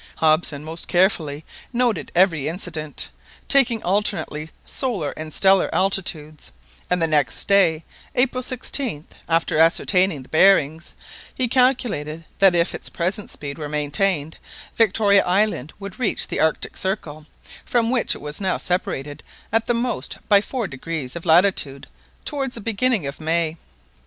Hobson most carefully noted every incident, taking alternately solar and stellar altitudes, and the next day, April 16th, after ascertaining the bearings, he calculated that if its present speed were maintained, Victoria Island would reach the Arctic Circle, from which it was now separated at the most by four degrees of latitude, towards the beginning of May.